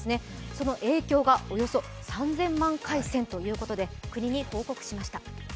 その影響がおよそ３０００万回線ということで国に報告しました。